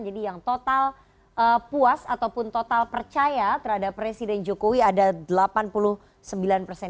jadi yang total puas ataupun total percaya terhadap presiden jokowi ada delapan puluh sembilan persen